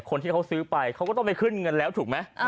คนที่เขาซื้อไปเขาก็ต้องไปขึ้นเงินแล้วถูกไหม